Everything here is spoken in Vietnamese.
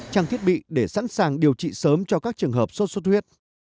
trang thiết bị để sẵn sàng điều trị sớm cho các trường hợp sốt xuất huyết